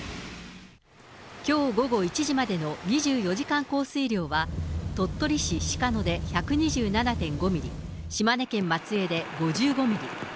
きょう午後１時までの２４時間降水量は、鳥取市鹿野で１２７．５ミリ、島根県松江で５５ミリ。